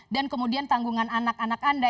dan kemudian tanggungan anak anak anda